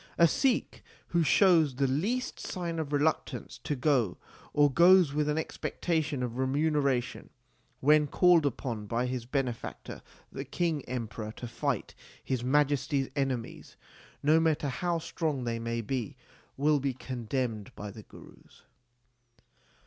A Sikh who shows the least sign of reluctance to go, or goes with an expectation of remuneration, when called upon by his benefactor the King Emperor to fight His Majesty s enemies, no matter how strong they may be, will be condemned by the Gurus.